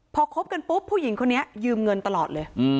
พอคบกันปุ๊บผู้หญิงคนนี้ยืมเงินตลอดเลย